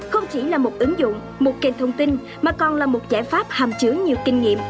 một kênh ứng dụng một kênh thông tin mà còn là một giải pháp hàm chứa nhiều kinh nghiệm